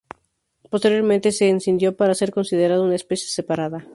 Posteriormente se escindió para ser considerada una especie separada.